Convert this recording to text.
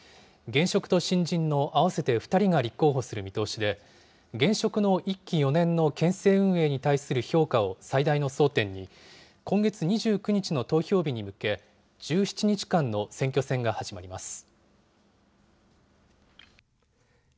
現職と新人の合わせて２人が立候補する見通しで、現職の１期４年の県政運営に対する評価を最大の争点に、今月２９日の投票日に向け、１７日間の選挙戦が始まります。